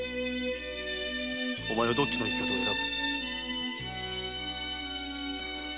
お前はどっちの生き方を選ぶ。